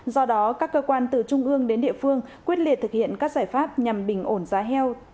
do đó các cơ quan từ trung ương đến địa phương quyết liệt thực hiện các giải pháp nhằm bình ổn giá heo